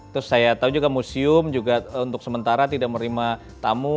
terus saya tahu juga museum juga untuk sementara tidak menerima tamu